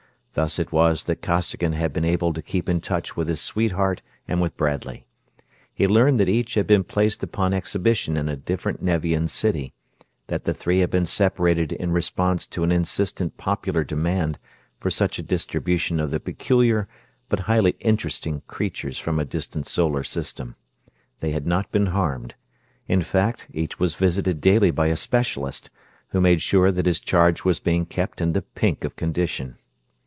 Thus it was that Costigan had been able to keep in touch with his sweetheart and with Bradley. He learned that each had been placed upon exhibition in a different Nevian city: that the three had been separated in response to an insistent popular demand for such a distribution of the peculiar, but highly interesting creatures from a distant solar system. They had not been harmed. In fact, each was visited daily by a specialist, who made sure that his charge was being kept in the pink of condition.